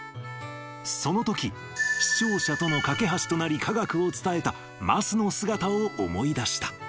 そのとき、視聴者との懸け橋となり科学を伝えた、桝の姿を思い出した。